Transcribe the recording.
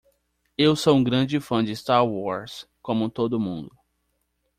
Eu sou um grande fã de Star Wars como todo mundo.